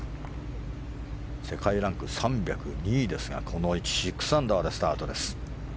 世界ランク３０２位ですが６アンダーでスタートです。